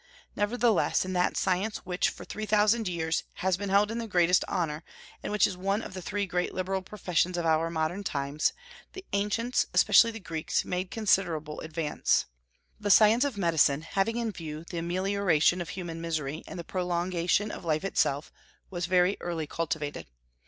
Nevertheless, in that science which for three thousand years has been held in the greatest honor, and which is one of the three great liberal professions of our modern times, the ancients, especially the Greeks, made considerable advance. The science of medicine, having in view the amelioration of human misery and the prolongation of life itself, was very early cultivated.